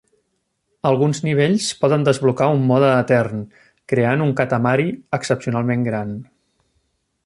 Alguns nivells poden desblocar un mode etern creant un Katamari excepcionalment gran.